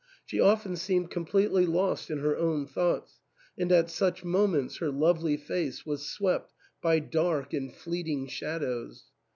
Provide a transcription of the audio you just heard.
She often seemed completely lost in her own thoughts, and at such mo ments her lovely face was swept by dark and fleeting shadows.